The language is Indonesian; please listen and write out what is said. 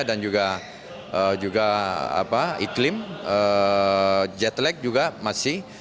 dan juga iklim jet lag juga masih